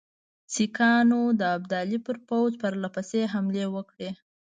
سیکهانو د ابدالي پر پوځ پرله پسې حملې وکړې.